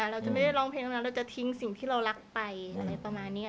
เราจะไม่ได้ร้องเพลงตรงนั้นเราจะทิ้งสิ่งที่เรารักไปอะไรประมาณนี้